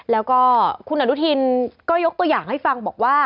แล้วก็คุณอนุทินก็ยกตัวอย่างให้ฟังบอกว่า